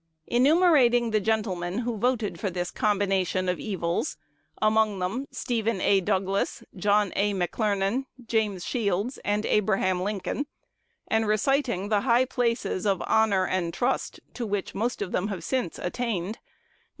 Enumerating the gentlemen who voted for this combination of evils, among them Stephen A. Douglas, John A. McClernand, James Shields, and Abraham Lincoln, and reciting the high places of honor and trust to which most of them have since attained, Gov.